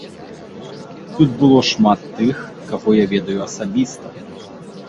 Тут было шмат тых, каго я ведаю асабіста.